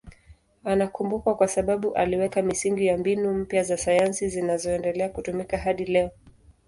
Anakumbukwa kwa sababu aliweka misingi ya mbinu mpya za sayansi zinazoendelea kutumika hadi leo.